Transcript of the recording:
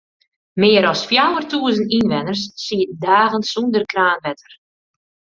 Mear as fjouwertûzen ynwenners sieten dagen sûnder kraanwetter.